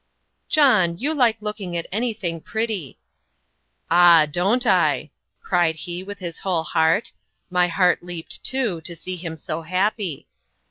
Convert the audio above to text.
"John, you like looking at anything pretty." "Ah! don't I!" cried he, with his whole heart. My heart leaped too, to see him so happy.